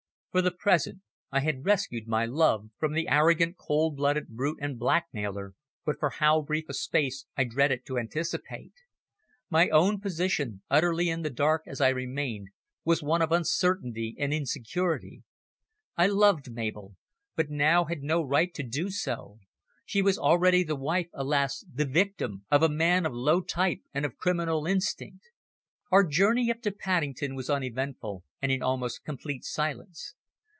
For the present I had rescued my love from the arrogant, cold blooded brute and blackmailer, but for how brief a space I dreaded to anticipate. My own position, utterly in the dark as I remained, was one of uncertainty and insecurity. I loved Mabel, but now had no right to do so. She was already the wife, alas! the victim, of a man of low type and of criminal instinct. Our journey up to Paddington was uneventful, and in almost complete silence.